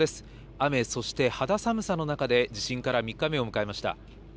雨、そして肌寒さの中で地震から３日目を迎えました。